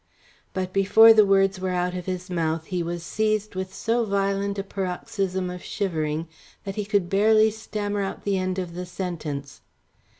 But before the words were out of his mouth, he was seized with so violent a paroxysm of shivering that he could barely stammer out the end of the sentence.